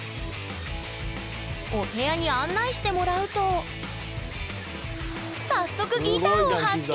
お部屋に案内してもらうと早速ギターを発見！